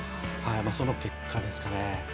その結果ですかね。